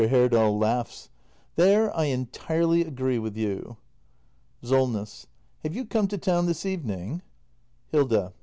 Herdal. There I entirely agree with you! Solness. Have you come to town this evening? Hilda.